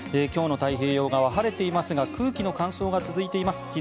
今日の太平洋側、晴れていますが空気の乾燥が続いています。